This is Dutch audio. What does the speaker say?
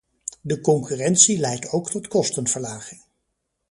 De concurrentie leidt ook tot kostenverlaging.